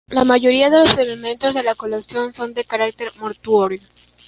La mayoría de los elementos de la colección son de carácter mortuorio.